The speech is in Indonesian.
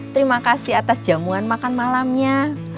terima kasih atas jamuan makan malamnya